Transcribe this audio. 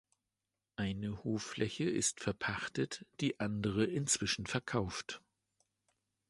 Eine Hoffläche ist verpachtet, die andere inzwischen verkauft.